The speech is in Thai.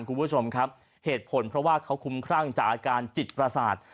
คุณผู้ชมครับเหตุผลเพราะว่าเขาคุ้มครั่งจากอาการจิตประสาท